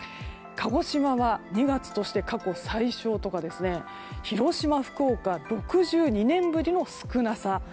鹿児島は２月として過去最少とか広島、福岡６２年ぶりの少なさ。